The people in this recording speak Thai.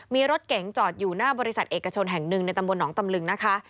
มีรถเก๋งจอดอยู่หน้าบริษัทเอกชนแห่งหนึ่งในตำบลหนองตำลึงนะคะ